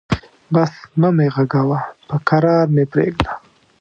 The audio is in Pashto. بس مه مې غږوه، به کرار مې پرېږده.